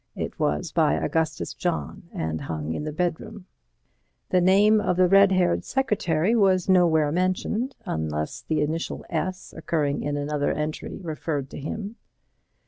It was by Augustus John, and hung in the bedroom. The name of the red haired secretary was nowhere mentioned, unless the initial S., occurring in another entry, referred to him.